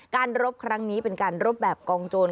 รบครั้งนี้เป็นการรบแบบกองโจร